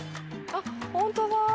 あっ本当だ。